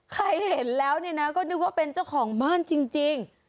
เห็นแล้วเนี่ยนะก็นึกว่าเป็นเจ้าของบ้านจริง